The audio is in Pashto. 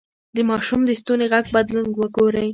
د ماشوم د ستوني غږ بدلون وګورئ.